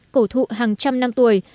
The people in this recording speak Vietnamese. cổ thụ hàng trăm năm tuổi